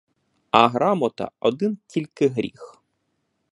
А грамота один тільки гріх!